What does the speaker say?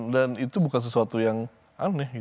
dan itu bukan sesuatu yang aneh